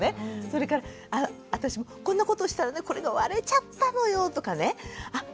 それから私もこんなことをしたらねこれが割れちゃったのよとかねあっ